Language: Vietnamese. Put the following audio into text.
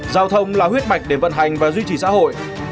giao thông là huyết mạch để vận hành và duy trì xã hội